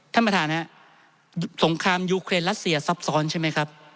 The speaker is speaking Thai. ท่านประธานครับสงครามยูเครนรัสเซียซับซ้อนใช่ไหมครับ